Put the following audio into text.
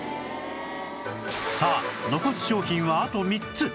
さあ残す商品はあと３つ